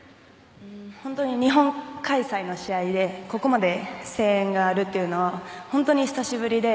本当に日本開催の試合でここまで声援があるというのは本当に久しぶりで。